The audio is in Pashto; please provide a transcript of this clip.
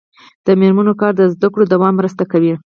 د میرمنو کار د زدکړو دوام مرسته کوي.